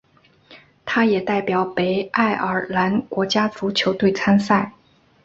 他也代表北爱尔兰国家足球队参赛。